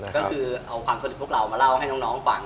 ก็คือเอาความสำเร็จพวกเรามาเล่าให้น้องฟัง